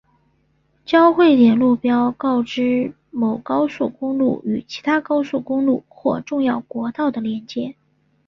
交汇点路标告知某高速公路与其他高速公路或重要国道的连接。